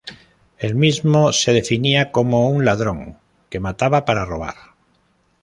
El mismo se definía como un "ladrón" que mataba para robar.